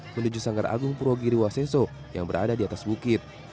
menuju sanggar agung purwogiri waseso yang berada di atas bukit